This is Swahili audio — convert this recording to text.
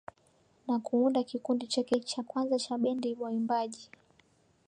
Na kuunda kikundi chake cha kwanza cha bendi waimbaji